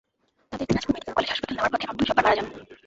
তাঁদের Dinajpur medical college হাসপাতাল নেওয়ার পথে আবদুল জব্বার মারা যান।